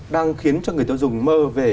đang khiến cho người tiêu dùng mơ về